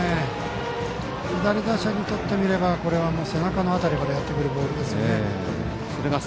左打者にとってみればこれは背中の辺りからやってくるボールですね。